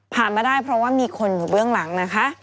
มาได้เพราะว่ามีคนอยู่เบื้องหลังนะคะ